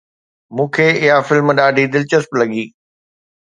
مون کي اها فلم ڏاڍي دلچسپ لڳي